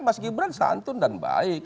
mas gibran santun dan baik